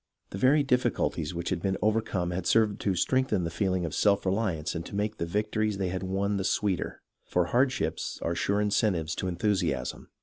The very difficulties which had been overcome had served to strengthen the feeling of self reliance and to make the victories they had won the sweeter, for hardships are sure incentives to enthusiasm.